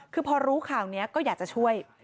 คือพอรู้ข่าวนี้ก็อยากจะช่วย